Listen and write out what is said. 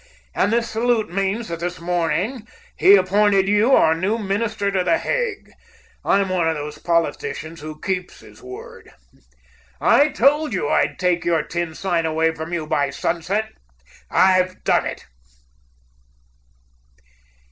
And this salute means that this morning he appointed you our new minister to The Hague. I'm one of those politicians who keeps his word. I told you I'd take your tin sign away from you by sunset. I've done it!"